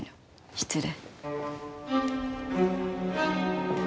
失礼。